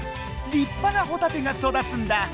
立派なほたてが育つんだ。